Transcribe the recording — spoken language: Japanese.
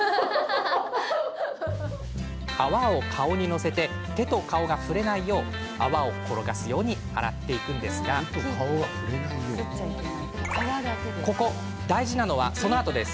泡を顔にのせて手と顔が触れないよう泡を転がすように洗っていくんですが大事なのは、そのあとです。